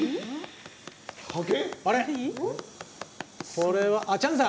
これはチャンさん？